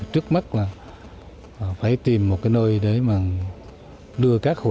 trước mắt là phải tìm một nơi để đưa các hội dân